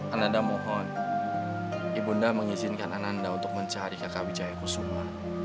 ananda mohon ibunda mengizinkan ananda untuk mencari kakak wijaya kusuma